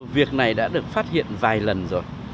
việc này đã được phát hiện vài lần rồi